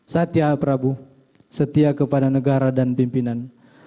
satya prabu setia kepada negara dan pimpinan